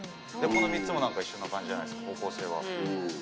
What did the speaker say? この３つも一緒な感じじゃないですか方向性は。